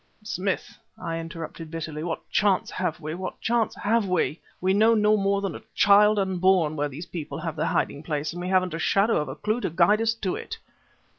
"Smith," I interrupted bitterly, "what chance have we? what chance have we? We know no more than a child unborn where these people have their hiding place, and we haven't a shadow of a clue to guide us to it."